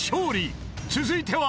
［続いては］